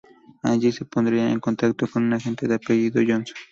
Allí se pondría en contacto con un agente de apellido Johnson.